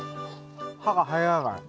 歯が入らない。